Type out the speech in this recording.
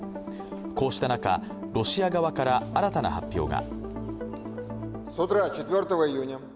こうした中、ロシア側から新たな発表が。